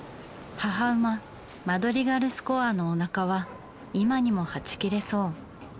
母馬マドリガルスコアのお腹は今にもはち切れそう。